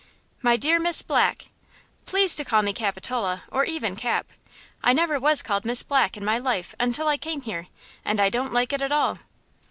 "My dear Miss Black–" "Please to call me Capitola, or even Cap. I never was called Miss Black in my life until I came here, and I don't like it at all!"